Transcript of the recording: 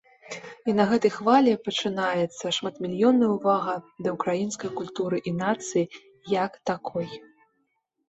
І на гэтай хвалі пачынаецца шматмільённая увага да ўкраінскай культуры і нацыі як такой.